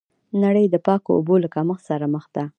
نړۍ د پاکو اوبو له کمښت سره مخ ده.